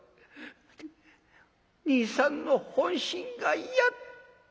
兄さんの本心がやっと」。